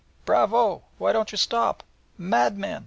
Bravo! Why don't you stop? _Madmen!